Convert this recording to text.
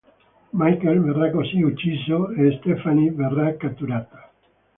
Michael verrà così ucciso, e Stephanie verrà catturata.